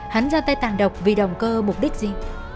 hắn ra tay tàn độc vì động cơ mục đích gì